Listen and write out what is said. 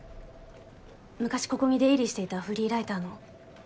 昔ここに出入りしていたフリーライターの。